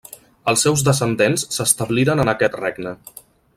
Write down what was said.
Els seus descendents s'establiren en aquest regne.